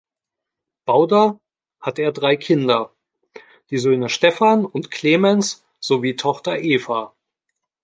Bauder, hat er drei Kinder: die Söhne Stephan und Clemens sowie Tochter Eva.